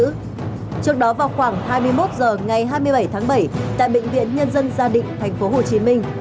trước đó vào khoảng hai mươi một h ngày hai mươi bảy tháng bảy tại bệnh viện nhân dân gia định tp hcm